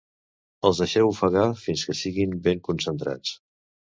els deixeu ofegar fins que siguin ben concentrats